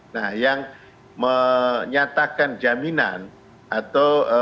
nah yang menyatakan jaminan atau